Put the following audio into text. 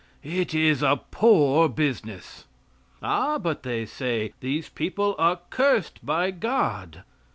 It is a poor business. "Ah?" but they say, "these people are cursed by God."